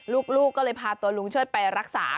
ลูกก็เลยพาตัวลุงเชิดไปรักษา